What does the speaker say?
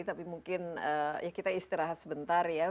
tapi mungkin ya kita istirahat sebentar ya